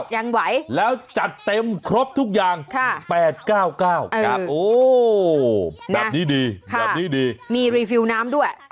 ยังไหวแล้วจัดเต็มครบทุกอย่าง๘๙๙แบบนี้ดีแบบนี้ดีมีรีฟิลน้ำด้วย